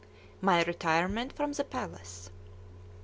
MY RETIREMENT FROM THE PALACE.